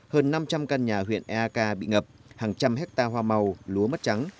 hơn năm trăm linh căn nhà huyện eak bị ngập hàng trăm hectare hoa màu lúa mất trắng